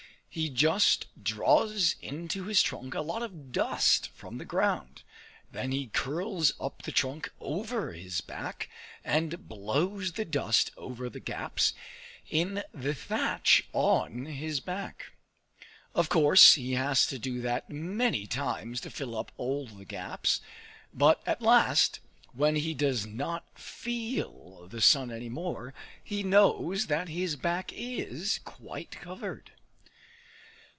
He just draws into his trunk a lot of dust from the ground; then he curls up the trunk over his back, and blows the dust over the gaps in the thatch on his back. Of course he has to do that many times to fill up all the gaps; but at last, when he does not feel the sun any more, he knows that his back is quite covered.